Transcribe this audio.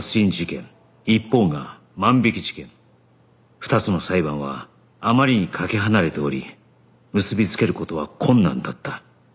２つの裁判はあまりにかけ離れており結びつける事は困難だった